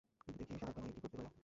দেখি এই শালাকে নিয়ে কি করতে পারি।